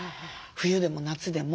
冬でも夏でも。